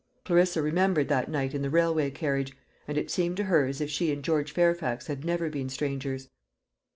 Clarissa remembered that night in the railway carriage, and it seemed to her as if she and George Fairfax had never been strangers.